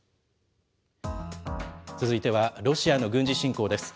続いては、ロシアの軍事侵攻です。